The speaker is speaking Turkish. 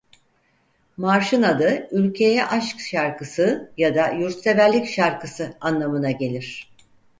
Marşın adı "Ülkeye Aşk Şarkısı" ya da "Yurtseverlik Şarkısı" anlamına gelir.